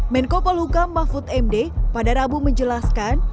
menko polhukam mahfud md pada rabu menjelaskan